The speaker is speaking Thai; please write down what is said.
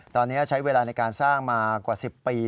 ตอนนี้ใช้เวลาในการสร้างมากว่า๑๐ปี